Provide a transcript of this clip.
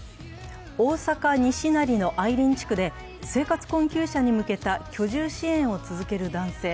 大阪・西成のあいりん地区で生活困窮者に向けた居住支援を続ける男性。